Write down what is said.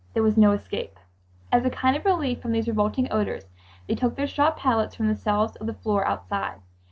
There was no escape." As a kind of relief from these revolting odors, they took their straw pallets from the cells to the floor outside.